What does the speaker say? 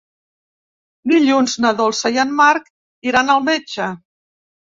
Dilluns na Dolça i en Marc iran al metge.